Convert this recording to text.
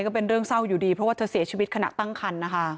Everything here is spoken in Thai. ก็เป็นเรื่องเศร้าอยู่ดีเพราะว่าเธอเสียชีวิตขณะตั้งคันนะคะ